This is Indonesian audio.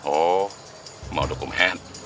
oh mau dokumen